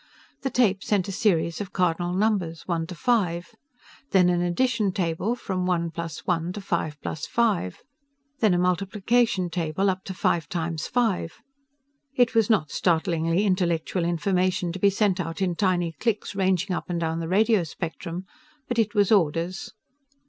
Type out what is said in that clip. The tape sent a series of cardinal numbers one to five. Then an addition table, from one plus one to five plus five. Then a multiplication table up to five times five. It was not startlingly intellectual information to be sent out in tiny clicks ranging up and down the radio spectrum. But it was orders.